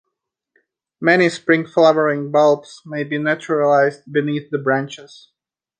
Many spring-flowering bulbs may be naturalized beneath the branches.